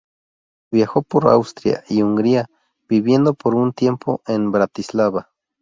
Viajó por Austria y Hungría, viviendo por un tiempo en Bratislava.